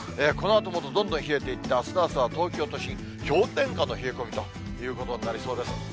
このあともどんどんどんどん冷えていって、あすの朝は東京都心、氷点下の冷え込みということになりそうです。